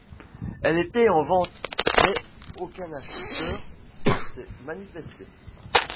Elle était en vente, mais aucun acheteur se s'est manifesté.